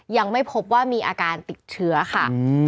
ยังไม่พบว่ามีอาการติดเชื้อค่ะ